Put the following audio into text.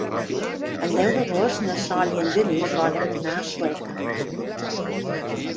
El deu d'agost na Sol i en Genís volen anar a Sueca.